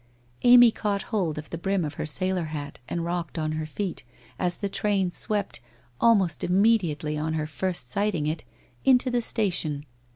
Amy caught hold of the brim of her sailor hat and rocked on her feet, as the train swept, almost immediately on her first sighting it, into the station.